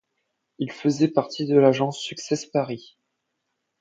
Il faisait partie de l'Agence Success Paris.